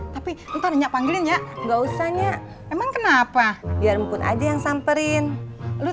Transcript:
tapi entar nya panggilan ya enggak usahnya emang kenapa biar mput aja yang samperin lu